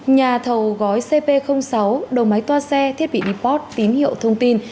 nhà thầu gói cp sáu đầu máy toa xe thiết bị đi port tín hiệu thông tin